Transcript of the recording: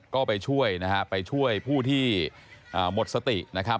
ก็ไปช่วยนะฮะไปช่วยผู้ที่หมดสตินะครับ